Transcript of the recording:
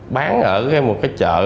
bán ở một cái chợ